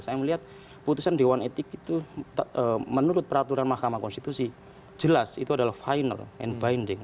saya melihat putusan dewan etik itu menurut peraturan mahkamah konstitusi jelas itu adalah final and binding